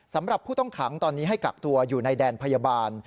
สำหรับผู้ต้องขังตอนนี้ให้กักตัวอยู่ในแดนพยาบาล